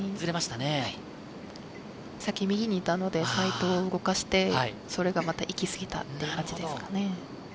さっき右に行ったので、サイトを動かしてそれが行き過ぎた感じですね。